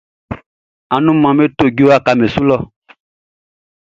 Anumanʼm be to djue wakaʼm be su lɔ.